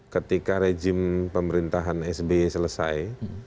ketika rejim pemerintahan sby selesai